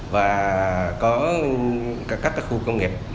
và có các khu công nghiệp